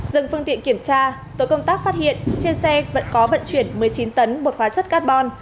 dừng phương tiện kiểm tra tổ công tác phát hiện trên xe vẫn có vận chuyển một mươi chín tấn bột hóa chất carbon